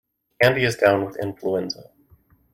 Andy is down with influenza.